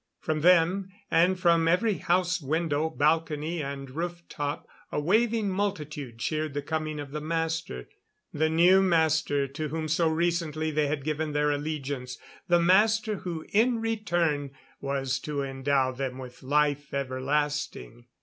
From them, and from every house window, balcony and roof top, a waving multitude cheered the coming of the Master. The new Master, to whom so recently they had given their allegiance the Master who in return was to endow them with life everlasting.